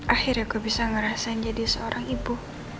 akhirnya gue bisa ngerasain jadi seorang ibu